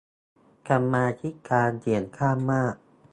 กรรมาธิการเสียงข้างมาก